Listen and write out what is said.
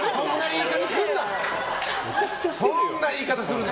そんな言い方するな！